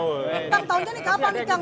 kau tahu nih kapan nih kang